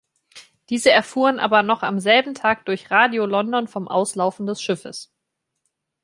Diese erfuhren aber noch am selben Tag durch Radio London vom Auslaufen des Schiffes.